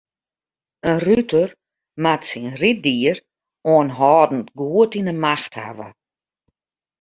In ruter moat syn ryddier oanhâldend goed yn 'e macht hawwe.